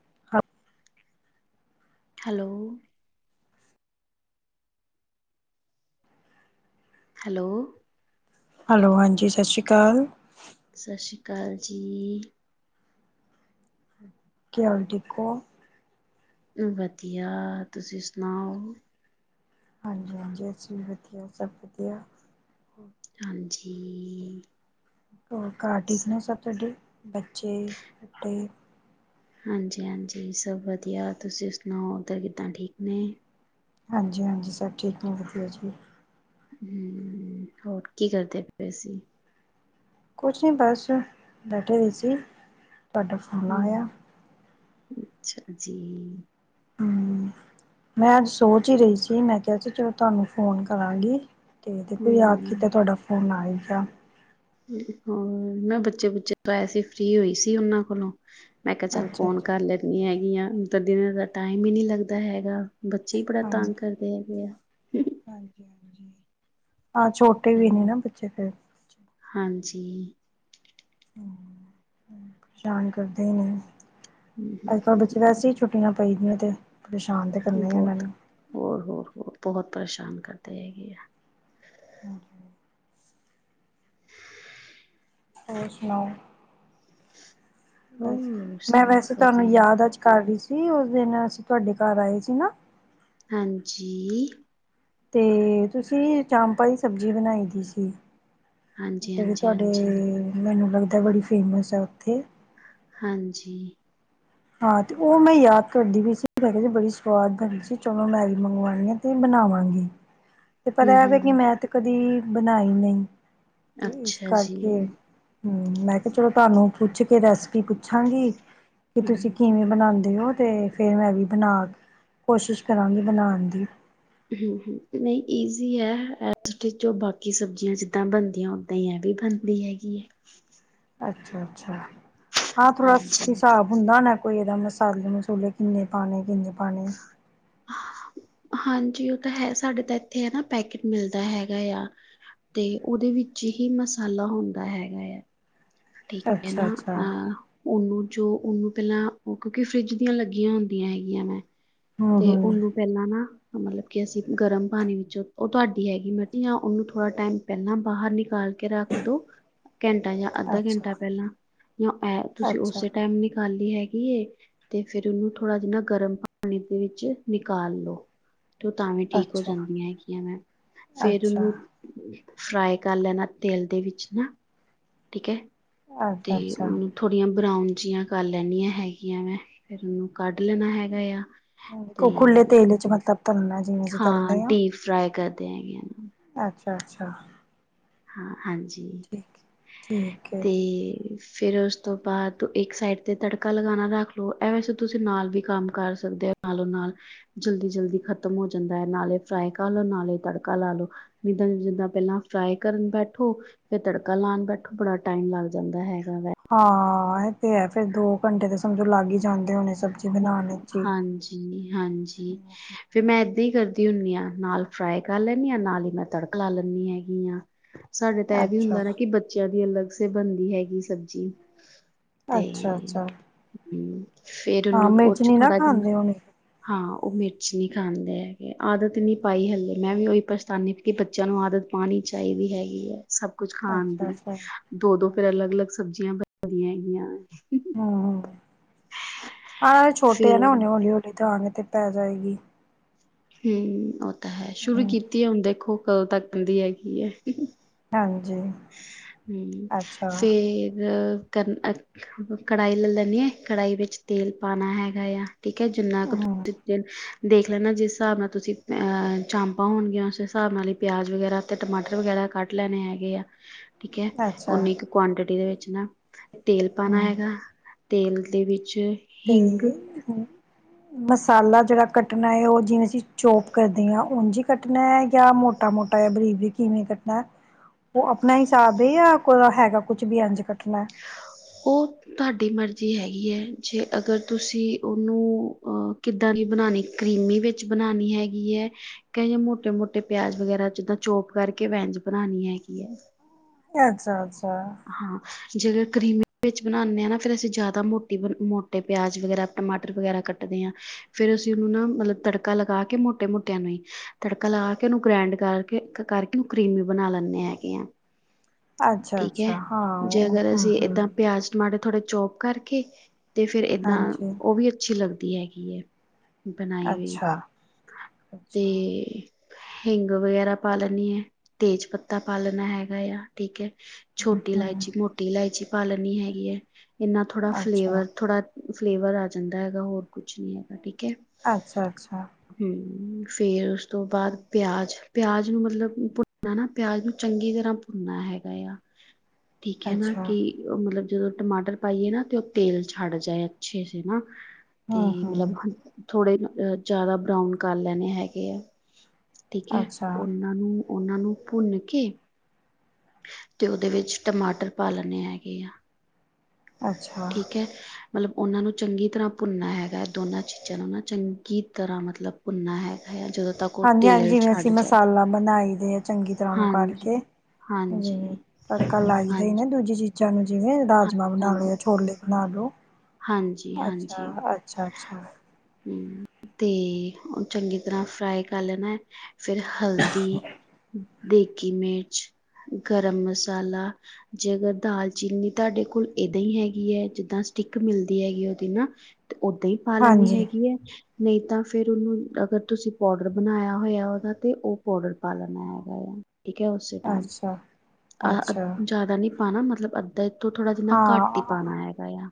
[unintelligible] Hello. Hello hello, ਹਾਂਜੀ। ਸਤਿ ਸ਼੍ਰੀ ਅਕਾਲ। ਸਤਿ ਸ੍ਰੀ ਅਕਾਲ ਜੀ। ਕੇ ਹਾਲ ਠੀਕ ਹੋ। ਵਧੀਆ, ਤੁਸੀਂ ਸੁਣਾਓ। ਹਾਂਜੀ-ਹਾਂਜੀ। ਅਸੀ ਵੀ ਵਧੀਆ ਸਭ ਵਧੀਆ ਹਾਂਜੀ। [inaudible] ਘਰ ਸ ਠੀਕ ਨੇ ਸਭ ਤਾਡੇ ਬੱਚੇ ਤੇ ਹਾਂਜੀ-ਹਾਂਜੀ। ਸਭ ਵਧੀਆ ਤੁਸੀਂ ਸੁਣਾਓ ਉੱਧਰ ਕਿੱਦਾਂ ਠੀਕ ਨੇ। ਹਾਂਜੀ-ਹਾਂਜੀ। ਸਭ ਠੀਕ ਨੇ ਵਧੀਆ ਜੀ। ਹਮ ਹੋਰ ਕੀ ਕਰਦੇ ਪਏ ਸੀ। ਕੁਛ ਨਹੀਂ ਬਸ ਬੈਠੇ ਦੇ ਸੀ। ਤੁਹਾਡਾ ਫੋਨ ਹੂੰ, ਆਇਆ। ਅੱਛਾ ਜੀ। ਹਮ, ਮੈਂ ਅੱਜ ਸੋਚ ਹੀ ਰਹੀ ਸੀ। ਮੈਂ ਕਿਹਾ ਸੀ ਚਲੋ ਤੁਹਾਨੂੰ ਫੋਨ ਕਰਾਂਗੀ। ਤੇ ਦੇਖੋ ਯਾਦ ਕੀਤਾ ਹੂੰ। ਤੁਹਾਡਾ ਫੋਨ ਆਯਾ। ਅੱਛਾ ਹੋਰ ਮੈਂ ਬੱਚੇ ਬੁੱਚੇ ਪਾਏ ਸੀੇ ਫ੍ਰਰੀ ਹੋਈ ਸੀ ਉਹਨਾਂ ਕੋਲੋਂ ਮੈਂ ਕਿਹਾ ਚੱਲ ਅੱਛਾ ਅੱਛਾ ਫੋਨ ਕਰ ਲੈਂਦੀ ਹੈਗੀ ਆਂ ਤਾਂ ਦਿਨਾਂ ਦਾ ਟਾਈਮ ਹੀ ਨਹੀਂ ਲੱਗਦਾ ਹੈਗਾ ਬੱਚੇ ਹੀ ਬੜਾ ਹਾਂਜੀ ਤੰਗ ਕਰਦੇ ਹੈਗੇ ਆ ਹਾਂਜੀ ਹਾਂਜੀ ਹਾਂ ਛੋਟੇ ਵੀ ਨੇ ਹਮ ਨਾ ਬੱਚੇ ਫਿਰ ਜੀ [unintelligible] ਕਰਦੇ ਨੇ ਹੂੰ, ਹੂੰ, ਅੱਜ ਕੱਲ ਬੱਚੇ ਵੈਸੇ ਹੀ ਹੂੰ, ਛੁੱਟੀਆਂ ਪਈ ਦੀਆ ਤੇ ਪਰੇਸ਼ਾਨ ਤਾਂ ਕਰਨਾ ਹੀ ਉਹਨਾਂ ਬਹੁਤ ਨੇ ਹੋਰ ਹੋਰ ਹੋਰ ਬਹੁਤ ਪਰੇਸ਼ਾਨ ਕਰਦੇ ਹੈਗੇ ਆ ਹਾਂਜੀ ਹੋਰ ਸੁਣਾਓ ਬਸ ਹੋਰ ਮੈਂ ਵੈਸੇ ਸਭ ਤੁਹਾਨੂੰ ਵਧੀਆ ਯਾਦ ਅੱਜ ਕਰ ਰਹੀ ਸੀ ਸੀ ਉਸ ਦਿਨ ਅਸੀਂ ਤੁਹਾਡੇ ਘਰ ਆਏ ਸੀ ਨਾ ਹਾਂਜੀ ਤੇ ਤੁਸੀਂ ਚਾਮਪਾਂ ਦੀ ਸਬਜ਼ੀ ਬਣਾਈ ਦੀ ਸੀ ਹਾਂਜੀ ਜਿਹੜੇ ਹਾਂਜੀ ਤੁਹਾਡੇ ਹਾਂਜੀ ਮੈਨੂੰ ਲੱਗ ਬੜੀ ਫੇਮਸ ਆ ਉੱਥੇ ਹਾਂਜੀ ਹਾਂ, ਤੇ ਉਹ ਮੈਂ ਯਾਦ ਕਰਦੀ ਪਈ ਸੀ ਮੈਂ ਕਿਹਾ ਬੜੀ ਸਵਾਦਗੀ ਸੀ ਚਲੋ ਮੈਂ ਵੀ ਮੰਗਵਾਉਣੀ ਆ ਤੇ ਬਣਾਵਾਂਗੀ ਤੇ ਹਮ ਪਤਾ ਹੈ ਕਿ ਹਮ ਮੈਂ ਤੇ ਕਦੀ ਬਣਾਈ ਨਹੀਂ ਤੇ ਇਸ ਅੱਛਾ ਜੀ ਕਰਕੇ ਹੂੰ, ਮੈਂ ਕਿਹਾ ਚਲੋ ਤੁਹਾਨੂੰ ਪੁੱਛ ਕੇ ਕੇ ਰੈਸਪੀ ਪੁੱਛਾਂਗੀ ਹਮ ਤੁਸੀਂ ਕਿਵੇਂ ਬਣ ਦੇ ਉਹ ਤੇ ਫੇਰ ਮੈਂ ਵੀ ਬਣਾ ਕੋਸ਼ਿਸ਼ ਕਰਾਂਗੀ ਬਣਾਉਣ ਦੀ ਹੂੰ ਹੂੰ, ਨਹੀਂ ਈਜ਼ੀ ਹੈ ਬਾਕੀ ਸਬਜ਼ੀਆਂ ਜਿੱਦਾਂ ਬਣਦੀਆਂ ਓਦਾਂ ਹੀ ਐ ਵੀ ਬਣਦੀ ਹੈਗੀ ਹੈ ਅੱਛਾ ਅੱਛਾ ਹਾਂ, ਥੋੜਾ ਹਾਂਜੀ ਹਿਸਾਬ ਹੁੰਦਾ ਨਾ ਕੋਈ ਇਹਦੇ ਮਸਾਲੇ ਮਸੂਲੇ ਕਿੰਨੇ ਪਾਣੇ ਕਿੰਨੇ ਪਾ ਪਾਣੀ ਹਾਂਜੀ ਉਹ ਤਾਂ ਹੈ ਸਾਡੇ ਤਾਂ ਇੱਥੇ ਹੈ ਨਾ ਪੈਕਟ ਮਿਲਦਾ ਹੈਗਾ ਆ ਤੇ ਉਹਦੇ ਵਿੱਚ ਹੀ ਮਸਾਲਾ ਹੁੰਦਾ ਹੈਗਾ ਆ। ਠੀਕ ਹੈ ਅੱਛਾ ਨਾ ਅੱਛਾ ਅਹ ਉਹਨੂੰ। ਜੋ ਉਹਨੂੰ ਪਹਿਲਾਂ ਉਹ ਕਿਉਂਕਿ ਫਰਿੱਜ ਦੀਆਂ ਲੱਗੀਆਂ ਹੁੰਦੀਆਂ ਹੈਗੀਆਂ ਮੈਂ ਹਮ ਤੇ ਹਮ ਉਹਨੂੰ ਪਹਿਲਾਂ ਨਾ ਮਤਲਬ ਕਿ ਅਸੀਂ ਗਰਮ ਪਾਣੀ ਵਿੱਚੋਂ ਉਹ ਤੁਹਾਡੀ ਹੈਗੀ ਮਿਰਚ ਜਾਂ ਉਹਨੂੰ ਥੋੜਾ ਟਾਈਮ ਪਹਿਲਾਂ ਬਾਹਰ ਨਿਕਾਲ ਕੇ ਰੱਖ ਦੋ ਘੰਟਾ ਅੱਧਾ ਘੰਟਾ ਅੱਛਾ ਪਹਿਲਾਂ ਜਾਂ ਇਹ ਤੁਸੀਂ ਅੱਛਾ ਉਸੇ ਟਾਈਮ ਨ ਖਾਲੀ ਹੈਗੀ ਗੀਏ ਤੇ ਫੇਿਰ ਉਹਨੂੰ ਥੋੜ੍ਹਾ ਜਿ ਨਾ ਗਰਮ ਪਾਣੀ ਦੇ ਵਿੱਚ ਨਿਕਾਲ ਲੋ ਤੇ ਤਾਂਾਵੇ ਠੀਕ ਹੋ ਅੱਛਾ ਜਾਂਦੀਆਂ ਹੈਗੀਆਂ ਮੈਂ ਅੱਛਾ ਫੇਰ ਅੱਛਾ ਉਹਨੂੰ ਫਰਾਈ ਕਰ ਲੈਣਾ ਤੇਲ ਦੇ ਵਿੱਚ ਨਾ ਠੀਕ ਹੈ ਤੇ ਅੱਛਾ ਉਹਨੂੰ ਥੋੜੀਆਂ ਬਰਾਊਨ ਜਿੀਆਂ ਕਰ ਲੈਦੀੀਆਂ ਹੈਗੀਆਂ ਮੈਂ ਫਿਰ ਉਹਨੂੰ ਕੱਢ ਲੈਣਾ ਹੈਗਾ ਆ ਤੇ ਖੁੱਲੇ ਤੇਲ ਚ ਮਤਲਬ ਤਲਣਾ ਜਿਵੇਂ ਅਸੀਂ ਹਾਂ ਤਲਦੇ ਡਪ ਫਰਾਾਈ ਕਰ ਤੇ ਹੈਗ ਅੱਛਾ ਅੱਛਾ ਹਾਂ ਹਾਂਜੀ ਠੀਕ ਠੀਕ ਹੈ ਤੇ ਫੇਿਰ ਉਸ ਤੋਂ ਬਾਅਦ ਇੱਕ ਸਾਈਡ ਤੇ ਤੜਕਾ ਲਗਾਣਾ ਰੱਖ ਲਓ ਇਹ ਵੈਸੇ ਤੁਸੀਂ ਨਾਲ ਵੀ ਕੰਮ ਕਰ ਸਕਦੇ ਹੋ ਨਾਲੋ ਨਾਲ ਜਲਦੀ ਜਲਦੀ ਖ਼ਤਮ ਹੋ ਜਾਂਦਾ ਹੈ ਨਾਲੇ ਫਰਾਈ ਕਰ ਲ ਲੋ ਨਾਲੇ ਤੜਕਾ ਲਾ ਲਓ ਜਿੱਦਾਂ ਜਿੱਦਾਂ ਪਹਿਲਾਂ ਫਰਾਈ ਕਰਨ ਬੈਠੋ ਫੇਿਰ ਤੜਕਾ ਲਾਉਣ ਬੈਠੋ ਬੜਾ ਟਾਈਮ ਲੱਗ ਜਾਂਦਾ ਹੈ ਹਾਂ ਆ ਤੇ ਹੈ ਫੇਰ ਦੋ ਘੰਟੇ ਤਾਂ ਸਮਝੋ ਲਾਗ ਹੀ ਜਾਂਦੇ ਹੋਣੇ ਸਬਜ਼ੀ ਬਣਾਉਣ ਵਿੱਚ ਹੀ। ਹਾਂਜੀ ਹਾਂਜੀ ਫੇਿਰ ਮੈਂ ਏਦਾਂ ਹੀ ਕਰਦੀ ਹੁੰਦੀ ਹਾਂ ਨਾਲ ਫਰਾਈ ਕਰ ਲੈਂਦੀ ਹਾਂ ਨਾਲ ਹੀ ਮੈਂ ਤੜਕ ਲਾ ਲੈਂਦੀ ਹੈਗੀ ਹਾਂ ਸਾਡੇ ਤਾਂ ਇਹ ਵੀ ਅੱਛਾ, ਹੁੰਦਾ ਨਾ ਕਿ ਬੱਚਿਆਂ ਦੀ ਅਲੱਗ ੇ ਬਣਦੀ ਹੈਗੀ ਸਬਜ਼ੀ ਤੇ ਅੱਛਾ ਅੱਛਾ ਨ ਹਾਂ ਉਹ ਮਿਰਚ ਚ ਨੀ ਨਾ ਥੋੜਾ ਜਿ ਖਾਂਦੇ ਹੋਣੇ। ਹਾਂ ਉਹ ਮਿਰਚ ਨਹੀਂ ਖਾਂਦੇ ਹੈਗੇ ਆਦਤ ਨਹੀਂ ਪਾਈ ਹਲੇੇ ਮੈਂ ਵੀ ਉਹੀ ਪਛਤਾਾਨਦੀ ਕਿ ਬੱਚਿਆਂ ਨੂੰ ਆਦਤ ਪਾਉਣੀ ਚਾਹੀਦੀ ਹੈਗੀ ਹੈ ਸਭ ਕੁਛ ਖਾਣ ਅੱਛਾ, ਦੀ ਅੱਛਾ, ਦੋ ਦੋ ਫੇਰ ਅੱਛਾ ਅਲੱਗ ਅਲੱਗ ਸਬਜ਼ੀਆਂ ਵਧੀਆ ਹੈਗੀਆਂ ਹਾਂ ਹਾਂ ਛੋਟੇ ਹੈ ਨਾ ਫੇਰ ਹੇ ਹੌਲੀ ਹੌਲੀ ਤਾਂ ਆਾਂ ਅਤੇ ਪੈ ਜਾਏਗੀ ਹਮ ਹੈ ਸ਼ੁਰੂ ਹੂੰ ਕੀਤੀ ਹੈ ਹੁਣ ਦੇਖੋ ਕਦੋਂ ਤੱਕ ਕਿੰਦੀ ਹੈਗੀ ਹੈ? ਹਾਂਜੀ ਹੂੰ ਅੱਛਾ ਫੇਰ ਕਰਨ ਕੜਾਹੀ ਲੈ ਲੈਂਨੀ ਆ ਕੜਾਹੀ ਵਿੱਚ ਤੇਲ ਪਾਉਣਾ ਹੈਗਾ ਆ। ਠੀਕ ਹੈ, ਜਿੰਨਾ ਕੁ ਹੂੰ ਤੁਸੀ ਦੇਖ ਲੈਂਦਾ ਜਿਸ ਹਿਸਾਬ ਨਾਲ ਤੁਸੀਂ ਚਾਮਪਾਂ ਹੋਣਗੀਆਂ ਉਸ ਹਿਸਾਬ ਨਾਲ ਹੀ ਪਿਆਜ਼ ਵਗੈਰਾ ਅਤੇ ਟਮਾਟਰ ਵਗੈਰਾ ਕੱਟ ਲੈਣੇ ਹੈਗੇਆ। ਠੀਕ ਹੈ ਅੱਛਾ ਉਓਨੀ ਕੁ ਕੁਆਂਟਿਟੀ ਦੇ ਵਿੱਚ ਜਿਨਾ ਤੇਲ ਪਾਣਾ ਹੂੰ ਹੈਗਾ। ਤੇਲ ਦੇ ਵਿੱਚ ਵਿੱਚ ਤੇ ਹਿੰਗ ਮਸਾਲਾ ਜਿਹੜਾ ਕੱਟਣਾ ਹੈ ਉਹ ਜਿਵੇਂ ਅਸੀਂ ਚੋਪ ਕਰਦੇ ਹਾਂ ਉੰਝ ਕੱਟਣਾ ਹੈ ਜਾਂ ਮੋਟਾ-ਮੋਟਾ ਜ ਬਰੀਕ-ਬਰੀਕ ਕਿਵੇਂ ਕੱਟਣਾ? ਉਹ ਆਪਣਾ ਹਿਸਾਬ ਹੈ ਜਾਂ ਕੇ ਹੈਗਾ ਕੁਛ ਵੀ ਇੰਜ ਕੱਟਣਾ ਹੈ। ਉਹ ਤੁਹਾਡੀ ਮਰਜ਼ੀ ਹੈਗੀ ਹੈ, ਜੇ ਅਗਰ ਤੁਸੀਂ ਉਹਨੂੰ ਅਹ ਕਿੱਦਾਂ ਦੀ ਬਣਾਉਣੀ ਕਰੀਮੀ ਵਿੱਚ ਬਣਾਉਣੀ ਹੈਗੀ ਹੈ ਮੋਟੇ-ਮੋਟੇ ਪਿਆਜ ਵਗੈਰਾ ਜਿੱਦਾਂ ਚੋਪ ਕਰਕੇ ਏਹਜ ਬਣਾਉਣੀ ਹੈਗੀ ਹੈ। ਅੱਛਾ-ਅੱਛਾ। ਹਾਂ। ਜੇਹੜੇ ਕਰੀਮੀ ਵਿੱਚ ਬਣਾਉਦੇ ਹਾਂਨਾ ਫਿਰ ਅਸੀਂ ਜ਼ਿਆਦਾ ਮੋਟੇ- ਮੋਟੇ ਪਿਆਜ ਵਗੈਰਾ, ਟਮਾਟਰ ਵਗੈਰਾ ਕੱਟਦੇ ਹਾਂ ਫ਼ਿਰ ਅਸੀਂ ਉਹਨੂੰ ਨਾ ਮਤਲਬ ਤੜਕਾ ਲਗਾ ਕੇ ਮੋਟੇ -ਮੋਟਿਆਂ ਨੂੰ ਹੀ ਤੜਕਾ ਲਗਾ ਕੇ ਉਹਨੂੰ ਗ੍ਰੈਂਡ ਕਰਕੇ -ਕਰਕੇ ਉਹਨੂੰ ਕਰੀਮੀ ਬਣਾ ਲੈਂਦੇ ਹੈਗੇ ਆ। ਅੱਛਾ ਠੀਕ ਹੈ ਅੱਛਾ ਹਾਂ ਜੇ ਉਹ ਅਗਰ ਹਮ ਅਸੀਂ ਹਮ ਏਦਾਂ ਪਿਆਜ ਟਮਾਟਰ ਥੋੜਾ ਚੌਬ ਕਰਕੇ। ਤੇ ਫੇਰ ਏਦਾਂ ਹਾਂਜੀ ਉਹ ਵੀ ਅੱਛੀ ਲੱਗਦੀ ਹੈ। ਦੀ ਹੈਗੀ ਹੈ। ਬਣਾਈ ਹੋਈ ਅੱਛਾ ਹਾਂ ਤੇ। ਅੱਛਾ ਹਿੰਗ ਵਗੈਰਾ ਪਾ ਲੈਣੀ ਹੈ, ਤੇਜ ਪੱਤਾ ਪਾ ਲੈਣਾ ਹੈਗਾ ਆ। ਠੀਕ ਹੈ। ਛੋਟੀ ਹਮ ਲੈਇਚੀ, ਮੋਟੀ ਲੈਇਚੀ। ਪਾਲੈਣੀ ਹੈਗੀ ਹੈ। ਇੰਨਾ ਥੋੜ੍ਹਾ ਅੱਛਾ ਫਲੇਵਰ ਥੋੜਾ ਫਲੇਵਰ ਆ ਜਾਂਦਾ ਹੈਗਾ ਹੋਰ ਕੁਛ ਨਹੀਂ ਹੈਗਾ, ਠੀਕ ਹੈ। ਅੱਛਾ-ਅੱਛਾ। ਫੇਰ ਉਸ। ਉਸ ਤੋਂ ਬਾਅਦ ਪਿਆਜ਼ ਪਿਆਜ਼ ਨੂੰ ਮਤਲਬ ਭੁੰਨਣਾ ਨਾ ਪਿਆਜ਼ ਨੂੰ ਚੰਗੀ ਤਰ੍ਹਾਂ ਨਾ ਹੈਗਾ ਆ। ਠੀਕ ਹੈ ਨਾ ਅੱਛਾ ਕਿ ਉਹ ਮਤਲਬ। ਜਦੋਂ ਟਮਾਟਰ ਪਾਈਏ ਨਾ ਤੇ ਉਹ ਤੇਲ ਛੱਡ ਜਾਏ ਅੱਛੇ ਸੇ ਨਾ। ਤੇ ਹਮ ਹਮ ਮਤਲਬ ਥੋੜ੍ਹੇ ਮਤਲਬ ਜ਼ਿਆਦਾ ਬਰਾਊਨ ਕਰ ਲੈਣੇ ਹੈਗੇ ਆ। ਠੀਕ ਹੈ, ਅੱਛਾ ਉਹਨਾਂ ਨੂੰ। ਉਹਨਾਂ ਨੂੰ ਭੁੰਨ ਕੇ। ਤੇ ਉਹਦੇ ਵਿੱਚ ਟਮਾਟਰ ਪਾ ਲੈਂਣੇ ਹੈਗੇ ਆ। ਅੱਛਾ। ਠੀਕ ਹੈ ਮਤਲਬ ਉਹਨਾਂ ਨੂੰ ਚੰਗੀ ਤਰ੍ਹਾਂ ਭੁੰਨਣਾ ਹੈਗਾ ਹੈ ਦੋਨਾਂ ਚੀਜ਼ਾਂ ਨੂੰ ਨਾ ਚੰਗੀ ਤਰ੍ਹਾਂ ਮਤਲਬ ਭੁੰਨਣਾ ਹੈਗਾ ਹੈ। ਹਾਂਜੀ ਹਾਂਜੀ ਜਿਵੇਂ ਅਸੀਂ ਮਸਾਲਾ ਬਣਾਈ। ਦੇ ਆ ਚੰਗੀ ਤਰ੍ਹਾਂ ਨੂੰ ਹਾਂਜੀ ਕਰਕੇ ਜਿਵੇਂ ਹਾਂਜੀ ਤੜਕਾ ਲਾਈ ਦਾ ਹੀ ਨਾ ਹਾਂਜੀ ਦੂਜੀ ਚੀਜ਼। ਚਾਨਣ। [unintelligible] ਜਿਵੇਂ ਹਾਂ ਰਾਜਮਾਂ ਬਣਾ ਹਾਂਜੀ ਲੇ ਛੋਲੇ ਬਣਾ ਲਓ। ਹਾਂਜੀ ਹਾਂਜੀ। ਅੱਛਾ ਅੱਛਾ ਅੱਛਾ ਹੂੰ ਤੇ ਉਹ ਚੰਗੀ ਤਰ੍ਹਾਂ ਫਰਾਏ ਕਰ ਲੈਣਾ ਹੈ। ਫਿਰ ਹਲਦੀ। ਦੇਗੀ ਮਿਰਚ ਗਰਮ ਮਸਾਲਾ ਜੇਗਰ ਦਾਲਚੀਨੀ ਤੁਹਾਡੇ ਕੋਲ ਇੱਦਾਂ ਹੀ ਹੈਗੀ ਹੈ ਜਿੱਦਾਂ ਸਟਿੱਕ ਮਿਲਦੀ ਹੈਗੀ ਉਹਦੀ ਨਾ ਤੇ ਓ ਦਹੀਂ ਪਾਲਣ ਨ ਹਾਂਜੀ ਹੈਗੀ ਹੈ [unintelligible] ਨਹੀਂ ਤਾਂ ਫਿਰ ਉਹਨੂੰ ਅਗਰ ਤੁਸੀਂ ਪਾਊਡਰ ਬਣਾਇਆ ਹੋਇਆ ਉਹਦਾ ਤਾਂ ਉਹ ਪਾਊਡਰ ਪਾ ਲੈਣਾ ਹੈਗਾ ਆ ਠੀਕਕੇ ਹੋਛ ਦਾਮ ਅੱਛਾ [unintelligible] ਅਹ ਅੱਛਾ ਜ਼ਿਆਦਾ ਨਹੀਂ ਪਾਣਾ ਮਤਲਬ ਅੱਧਾ ਤੋਂ ਥੋੜ੍ਹਾ ਜਿਨਾ ਘੱਟ ਹੀ ਪਾਣਾ ਹੈਗਾ ਆ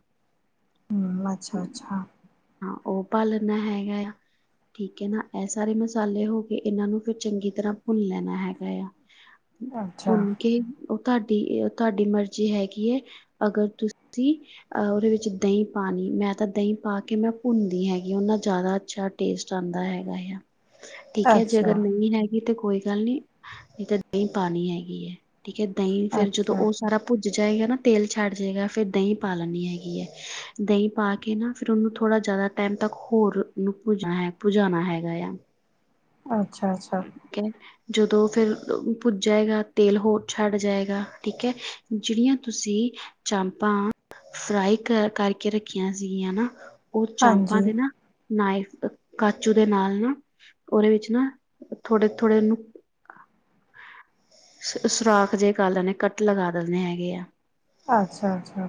ਹਮ ਅੱਛਾ ਅੱਛਾ ਹਾਂ ਉਹ ਪਾ ਲੈਣਾ ਹੈਗਾ ਆ ਠੀਕ ਹੈ ਨਾ ਇਹ ਸਾਰੇ ਮਸਾਲੇ ਹੋ ਕੇ ਇਹਨਾਂ ਨੂੰ ਫਿਰ ਚੰਗੀ ਤਰ੍ਹਾਂ ਭੁੰਨ ਲੈਣਾ ਹੈਗਾ ਆ ਅੱਛਾ ਭੁੰਨ ਕੇ ਉਹ ਤੁਹਾਡੀ ਤੁਹਾਡੀ ਮਰਜ਼ੀ ਹੈਗੀ ਹੈ ਅਗਰ ਤੁਸੀਂ ਅਹ ਉਹਦੇ ਵਿੱਚ ਦਹੀਂ ਪਾਉਣੀ ਮੈਂ ਤਾਂ ਦਹੀਂ ਪਾ ਕੇ ਮੈਂ ਭੁੰਨਦੀ ਹੈਗੀ ਉਹਨਾ ਜ਼ਿਆਦਾ ਅੱਛਾ ਟੇਸਟ ਆਉਂਦਾ ਹੈਗਾ ਆ ਠੀਕ ਹੈ ਜੇ ਅੱਛਾ, ਅਗਰ ਨਹੀਂ ਹੈ ਗੀ ਤੇ ਕੋਈ ਗੱਲ ਨਹੀਂ ਨਹੀਂ ਤਾਂ ਦਹੀਂ ਪਾਣੀ ਹੈਗੀ ਹੈ ਠੀਕ ਹੈ ਦਹੀਂ ਅੱਛਾ, ਫੇਰ ਜਦੋਂ ਅੱਛਾ, ਉਹ ਸਾਰਾ ਜਾਏਗਾ ਨਾ ਤੇਲ ਛੱਡ ਜਾਏਗਾ ਫਿਰ ਦਹੀਂ ਪਾ ਲੈਣੀ ਹੈਗੀ ਹੈ ਦਹੀਂ ਪਾ ਕੇ ਨਾ ਫਿਰ ਉਹਨੂੰ ਥੋੜ੍ਹਾ ਜਿਆਦਾ ਟਾਈਮ ਤੱਕ ਹੋਰਨ ਪੁਜਣਾ ਹੈ ਭੁਜਾਣਾ ਹੈਗਾ ਆ ਅੱਛਾ ਅੱਛਾ ਠੀਕ ਹੈ ਜਦੋਂ ਫਿਰ ਪੁੱਜ ਜਾਏਗਾ ਤੇਲ ਹੋਰ ਛੱਡ ਜਾਏਗਾ ਠੀਕ ਹੈ ਜਿਹੜੀਆਂ ਤੁਸੀਂ ਚਾਮਪਾਂ ਫਰਾਈ ਕਰ ਕਰਕੇ ਰੱਖੀਆਂ ਸੀਗੀਆਂ ਨਾ ਉਹ ਚਾਪਾਂ ਹਾਂਜੀ, ਦੇ ਨਾ ਨਾਈਫ ਕਾਚੂ ਦੇ ਨਾਲ ਨਾ ਉਹਦੇ ਵਿੱਚ ਨਾ ਥੋੜੇ ਥੋੜੇ ਨੂੰ ਸੁਰਾਖ ਜੇਹੇ ਕਰ ਲਣੇ ਕੱਟ ਲਗਾ ਦਿੰਣੇ ਹੈਗੇ ਆ ਅੱਛਾ ਅੱਛਾ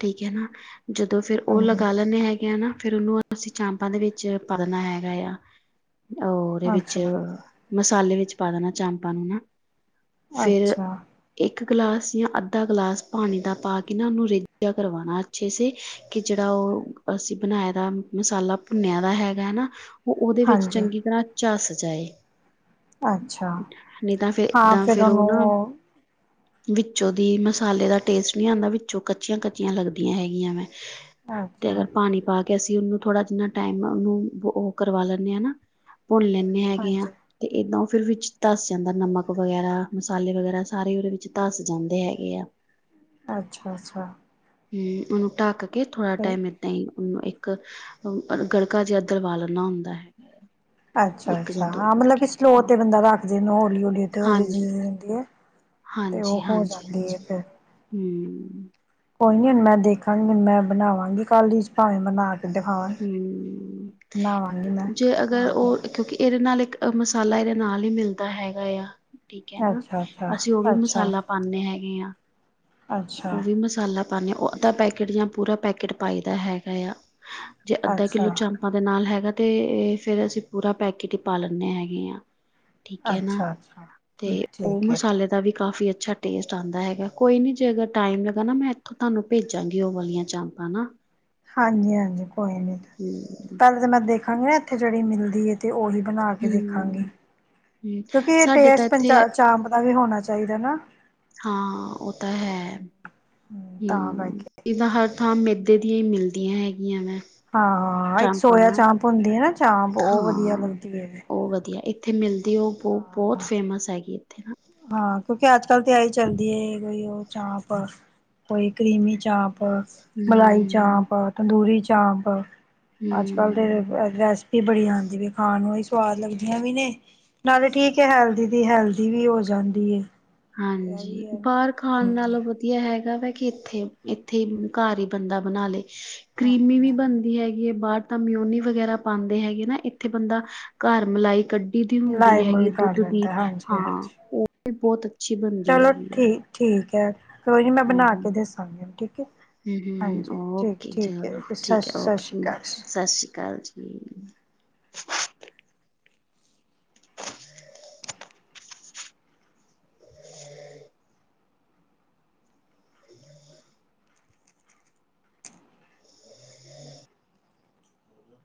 ਠੀਕ ਹੈ ਨਾ ਜਦੋਂ ਫਿਰ ਉਹ ਹਾਂਜੀ, ਲਗਾ ਲੈਂਦੇ ਹੈਗੇ ਆ ਨਾ ਫੇਿਰ ਉਹਨੂੰ ਅਂ ਚਾਂਪਾਂ ਦੇ ਵਿੱਚ ਪਾਣਾ ਹੈਗਾ ਐ ਉਹਰੇ ਵਿੱਚ ਅੱਛਾ, ਜੋ ਮਸਾਲੇ ਵਿੱਚ ਪਾ ਦੇਣਾ ਚਾਪਾਂ ਨੂੰ ਨਾ ਫਿਰ ਅੱਛਾ। ਇੱਕ ਇੱਕ ਗਲਾਸ ਜਾਂ ਅੱਧਾ ਗਲਾਸ ਪਾਣੀ ਦਾ ਪਾ ਕੇ ਨਾ ਉਹਨੂੰ ਰੇਝਾ ਕਰਵਾਉਣਾ ਅੱਛੇ ਸ ਕਿ ਜਿਹੜਾ ਉਹ ਅਸੀਂ ਬਣਾਇ ਦਾ ਮਸਾਲਾ ਭੁੰਨਿਆ ਦਾ ਹੈਗਾ ਹੈ ਨਾ ਉਹ ਉਹਦੇ ਵਿੱਚ ਹਾਂਜੀ, ਚੰਗੀ ਤਰ੍ਹਾਂ ਚਸ ਬਜਾਏ ਅੱਛਾ ਹਾਂ ਫਿਰ ਉਹਨੂੰ ਉਹ ਵਿੱਚੋਂ ਦੀ ਮਸਾਲੇ ਦਾ ਟੇਸਟ ਨੀ ਆਉਂਦਾ ਵਿੱਚੋਂ ਕੱਚੀਆਂ ਕੱਚੀਆਂ ਲੱਗਦੀਆਂ ਹੈਗੀਆਂ ਵੈ ਤੇ ਅੱਛਾ, ਅਗਰ ਪਾਣੀ ਪਾ ਅਸੀਂ ਉਹਨੂੰ ਥੋੜਾ ਜਿਨਾ ਟਾਈਮ ਉਹਨੂੰ ਉਹ ਕਰਵਾ ਲੈਂਦੇ ਹਨਾ ਭੁਨ ਲੈਂਦੇ ਹੀਆਂ ਹਾਂਜੀ, ਤੇ ਏਦਾਂ ਫਿਰ ਵਿੱਚ ਧੱਸ ਜਾਂਦਾ ਨਮਕ ਵਗੈਰਾ ਮਸਾਲੇ ਵਗੈਰਾ ਸਾਰੇ ਉਹਦੇ ਵਿੱਚ ਧਸ ਜਾਂਦੇ ਹੈਗੇ ਆ ਅੱਛਾ ਅੱਛਾ ਹੂੰ ਉਹਨੂੰ ਢਾਕ ਕੇ ਥੋੜਾ ਠੀਕ। ਟਾਈਮ ਇਦਾਂ ਹੀ ਇੱਕ ਗੜਕਾ ਜਿਹਾ ਦਲਵਾਲਣਾ ਹੁੰਦਾ ਹੈਗਾ ਆ ਅੱਛਾ ਅੱਛਾ ਹਾਂ ਮਤਲਬ ਕਿ ਸਲੋ ਹਾਂ ਤੇ ਬੰਦਾ ਰੱਖਦਾ ਨ ਹੌਲੀ ਹੌਲੀ ਤੇ ਹੋ ਰ ਹਾਂਜੀ ਰਹਦੀ ਹੈ ਤੇ ਉਹ ਹਾਂਜੀ ਹੋ ਹਾਂਜੀ ਜਾਂਦੀ ਹੈ ਹਾਂਜੀ ਫਿਰ ਹੂੰ ਕੋਈ ਨੀ ਹੁਣ ਮੈਂ ਦੇਖਾਂਗੀ ਹੁਣ ਮੈਂ ਬਣਾਵਾਂਗੀ ਕਲ [inaudible] ਭਾਵੇਂ ਬਣਾ ਕੇ ਦਿਖਾਵਾਂ। ਹਮ ਬਣਾਵਾਂਗੀ ਮੈਂ ਜੇ ਆ ਅਗਰ ਉਹ ਕਿਉਂਕਿ ਇਹਦੇ ਨਾਲ ਇੱਕ ਮਸਾਲਾ ਇਹਦੇ ਨਾਲ ਹੀ ਮਿਲਦਾ ਹੈਗਾ ਆ ਠੀਕ ਹੈ ਨਾ ਅੱਛਾ ਅੱਛਾ ਅਸੀਂ ਉਹ ਵੀ ਅੱਛਾ ਮਸਾਲਾ ਪਾਉਂਦੇ ਹੈਗੇ ਹ ਅੱਛਾ ਉਹ ਵੀ ਮਸਾਲਾ ਪਾਉਦੇ ਅੱਧਾ ਪੈਕੇਟ ਜਾਂ ਪੂਰਾ ਪੈਕੇਟ ਪਾਈ ਦਾ ਹੈਗਾ ਆ ਜੇ ਅੱਧਾ ਅੱਛਾ ਕਿੱਲੋ ਚਾਮਪਾਂ ਦੇ ਨਾਲ ਹੈਗਾ ਤੇ ਫੇਿਰ ਅਸੀਂ ਪੂਰਾ ਪੈਕੇਟ ਹੀ ਪਾ ਲਦੇ ਹੈਗੇ ਹ ਠੀਕ ਹੈ ਨਾ ਅੱਛਾ ਅੱਛਾ ਠੀਕ ਤੇ ਉਹ ਠੀਕ ਹੈ ਮਸਾਲੇ ਦਾ ਵੀ ਕਾਫੀ ਅੱਛਾ ਟੇਸਟ ਆਉਂਦਾ ਹੈਗਾ ਕੋਈ ਨਹੀਂੀ ਜੇ ਅਗਰ ਟਾਈਮ ਲਗਾ ਨਾ ਮੈਂ ਇੱਥੋਂ ਤੁਹਾਨੂੰ ਭੇਜਾਂਗੀ ਉਹ ਵਾਲੀਆਂ ਚਪਾਂ ਹਨ ਹਾਂਜੀ ਹਾਂਜੀ ਕੋਈ ਨੀ ਹੂੰ ਪਹਿਲ ਤਾਂ ਮੈਂ ਦੇਖ ਖੰਘਣੇ ਇੱਥੇ ਜਿਹੜੀ ਮਿਲਦੀ ਹੈ ਤੇ ਉਹੀ ਬਣਾ ਕੇ ਦੇਖਾਂਗੀ ਹੂੰ ਹੂੰ ਕਿਉਂਕਿ ਇਹ ਸਾਡੇ ਤਾਂ ਟੇਸ ਪੰਚ ਇੱਥੇ ਚਾਂਪ ਦਾ ਵੀ ਹੋਣਾ ਚਾਹੀਦਾ ਚਾਹੀਦਾ ਨਾ ਹਾਂ ਉਹ ਤਾਂ ਹੈ ਹਮ ਤਾਂ ਕਰਕੇ ਇਹਦਾ ਹਰ ਥਾਂ ਮੈਦੇ ਦੀਆਂ ਹੀ ਮਿਲਦੀਆਂ ਹੈਗੀਆਂ ਵੈਂ ਹਾਂ ਇੱਕ ਚਾਂਪਾਂ ਸੋਇਆ ਨਾ ਚਾਂਪ ਹੁੰਦੀ ਆ ਨਾ ਚਾਂਪ ਉਹ ਵਧੀਆ ਲੱਗਦੀ ਹੈ ਇੱਥੇਿਲਦੇ [inaudible] ਤੇ ਉਹ ਬਹੁ ਹਾਂ ਬਹੁਤ ਫੇਮਸ ਹੈਗੀ ਇੱਥੇ ਨਾ ਕਿਆ ੱਤਾਂ ਤਿਆਰੀ ਚੱਲਦੀ ਹੈ ਕੋਈ ਉਹ ਚਾਪ ਕੋਈ ਕਰੀਮੀ ਚਾਪ ਮਲਾਈ ਚ ਹੂੰ ਆਪ ਤੰਦੂਰੀ ਚ ਚਬ ਅੱਜ ਕਲ ਦੇ ਹੂੰ ਰੈਸਪੀ ਬੜੀ ਆਉਂਦੀ ਹੈ ਖਾਣ ਨੂੰ ਸਵਾਦ ਲੱਗਦੀਆਂ ਵੀਨੇ ਨਾਲੇ ਠੀਕ ਹੈ ਹੈਲਦੀ ਦੀ ਹੈਲਦੀ ਵੀ ਹੋ ਜਾਂਦੀ ਇਹ ਹਾਂਜੀ ਵੀ ਹੈ ਨਾ ਬਾਹਰ ਖਾਣ ਹਾਂਜੀ ਨਾਲੋਂ ਵਧੀਆ ਹੈਗਾ ਵਾ ਕਿ ਇੱਥੇ ਇੱਥੇ ਹੀ ਘਰ ਹੀ ਬੰਦਾ ਬਣਾ ਲਏ ਕਰੀਮੀ ਵੀ ਹਾਂਜੀ ਬਣਦੀ ਹੈਗੀ ਹੈ ਬਾਹਟ ਤਾਂ ਮਿਉਨੀ ਵਗੈਰਾ ਪਾਉਂਦੇ ਹੈਗੇ ਨਾ ਇੱਥੇ ਬੰਦਾ ਘਰ ਮਲਾਈ ਕੱਢ ਦੀ ਮਲਾਈ ਹੁੰਦੀ ਹੈਗੀ ਮਲੂਈ ਕਰ ਦੁੱਧ ਦੀ ਲੈਂਦਾ ਹਾਂਜੀ ਹਾਂ ਹਾਂਜੀ ਉਹ ਬਹੁਤ ਅੱਛੀ ਚਲੋ ਠੀਕ ਠੀਕ ਹੈ ਕੋਈ ਨਹੀਂ ਮੈਂ ਹ ਬਣਾ ਹ ਕੇ ਦੱਸਾਂਗੀ ਠੀਕ ਹੈ ਹ ਹ ਹ ਹਾਂਜੀ ਠੀਕ ਓਕੇ ਠੀਕ ਹੈ ਚਲੋ ਸਤਿ ਠੀਕ ਹੈ ਸਤਿ ਸ਼੍ਰੀ ਓਕੇ ਅਕਾਲ ਸਤਿ ਸ੍ਰੀ ਅਕਾਲ ਜੀ [inaudible]